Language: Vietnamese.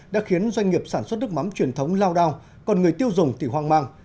đã khiến doanh nghiệp sản xuất nước mắm truyền thống lao đao còn người tiêu dùng thì hoang mang